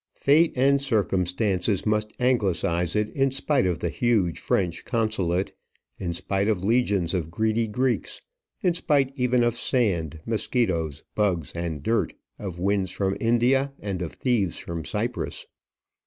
Fate and circumstances must Anglicize it in spite of the huge French consulate, in spite of legions of greedy Greeks; in spite even of sand, musquitos, bugs, and dirt, of winds from India, and of thieves from Cyprus.